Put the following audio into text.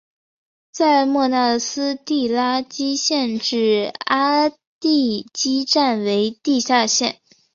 在莫纳斯蒂拉基站至阿蒂基站为地下线。